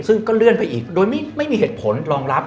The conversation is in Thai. ซึ่งก็เลื่อนไปอีกโดยไม่มีเหตุผลรองรับ